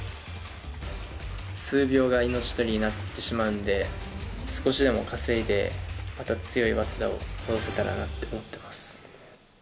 数秒が命取りになってしまうので、少しでも稼いでまた強い早稲田を戻せたらなって思ってます。